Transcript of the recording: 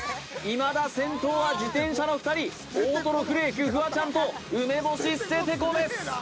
いまだ先頭は自転車の２人大とろフレークフワちゃんと梅干しステテコです